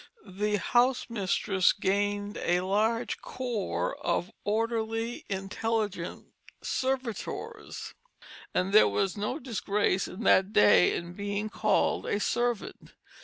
The housemistress gained a large corps of orderly, intelligent servitors; and there was no disgrace in that day in being called a servant.